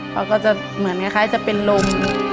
เขาก็จะเหมือนคล้ายจะเป็นลม